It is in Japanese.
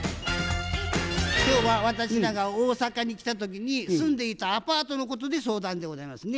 今日は私らが大阪に来た時に住んでいたアパートのことで相談でございますね。